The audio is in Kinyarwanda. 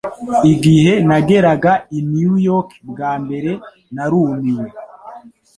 Igihe nageraga i New York bwa mbere, narumiwe.